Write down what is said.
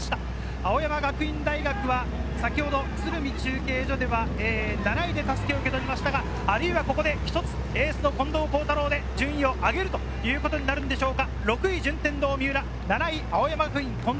青山学院大学は先ほど鶴見中継所では７位で襷を受け取りましたが、ここで一つエースの近藤幸太郎で順位を上げるということになるんでしょうか。